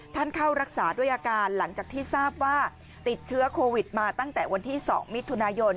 เข้ารักษาด้วยอาการหลังจากที่ทราบว่าติดเชื้อโควิดมาตั้งแต่วันที่๒มิถุนายน